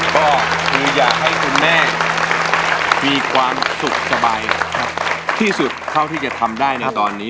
ก็คืออยากให้คุณแม่มีความสุขสบายที่สุดเท่าที่จะทำได้ในตอนนี้